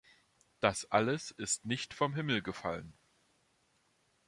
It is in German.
Das alles ist nicht vom Himmel gefallen.